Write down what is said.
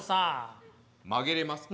曲げれますか？